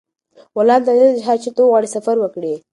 غلام ته اجازه ده چې هر چېرته وغواړي سفر وکړي.